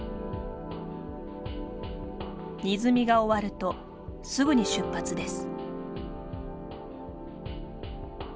荷積みが終わるとすぐに出発です。